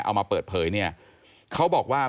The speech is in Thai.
เอามาเปิดเผยเนี่ยเขาบอกว่า